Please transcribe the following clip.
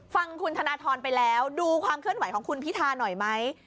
ฟังคุณธนทรไปแล้วดูความเคลื่อนไหวของคุณพิธาหน่อยไหม